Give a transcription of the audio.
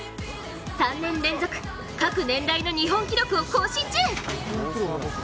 ３年連続、各年代の日本記録を更新中。